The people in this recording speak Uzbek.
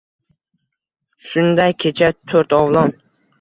Shunday kecha to’rtovlon